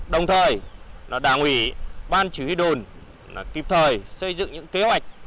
đồng thời đảng ủy ban chỉ huy đồn kịp thời xây dựng những kế hoạch